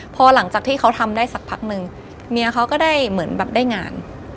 พอหลังจากที่เขาทำได้สักพักนึงเมียเขาก็ได้เหมือนแบบได้งาน